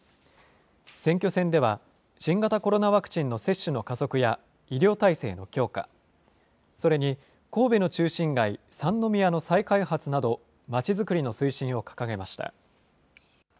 選挙戦では、新型コロナワクチンの接種の加速や、医療体制の強化、それに神戸の中心街、三宮の再開発など、まちづくりの推進を掲げました。